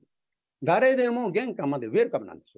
誰でも玄関までウエルカムなんですよ。